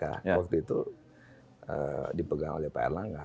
ya waktu itu dipegang oleh pak erlangga